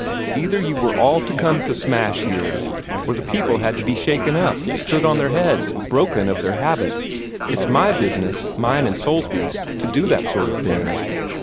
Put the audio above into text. Either you were all to come to smash here, or the people had to be shaken up, stood on their heads, broken of their habit. It's my business mine and Soulsby's to do that sort of thing.